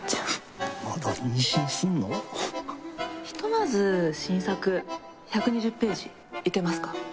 ひとまず新作１２０ページいけますか？